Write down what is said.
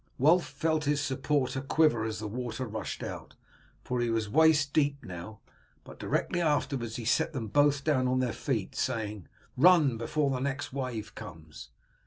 Wulf felt his supporter quiver as the water rushed out, for he was waist deep now; but directly afterwards he set them both down on their feet, saying, "Run before the next wave comes."